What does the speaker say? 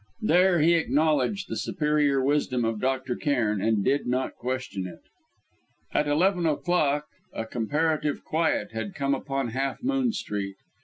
There he acknowledged the superior wisdom of Dr. Cairn; and did not question it. At eleven o'clock a comparative quiet had come upon Half Moon Street.